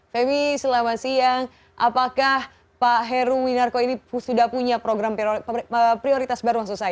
femi selamat siang apakah pak heruwinarko ini sudah punya program prioritas baru